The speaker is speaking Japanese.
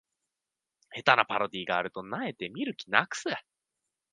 下手なパロディがあると萎えて見る気なくす